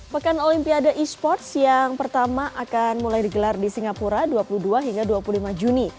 pekan olimpiade e sports yang pertama akan mulai digelar di singapura dua puluh dua hingga dua puluh lima juni